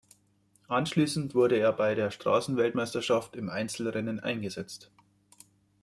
Anschließend wurde er bei der Straßen-Weltmeisterschaft im Einzelrennen eingesetzt.